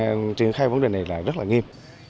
đang triển khai vấn đề này là rất là nghiêm